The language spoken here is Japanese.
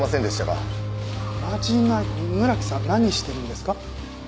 村木さん何してるんですか？